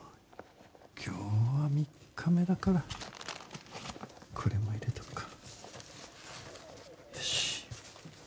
今日は３日目だからこれも入れとくか。